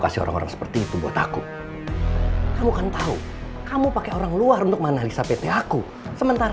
sikap ibu gak kayak biasanya